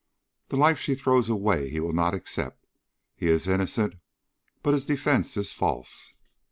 The life she throws away he will not accept. He is innocent, but his defence is false!